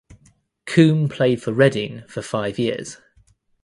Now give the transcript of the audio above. Coombe played for Reading for five years.